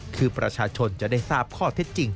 คือประชาชนจะได้ทราบข้อเท็จจริง